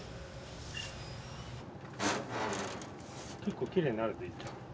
結構きれいになるねいっちゃん。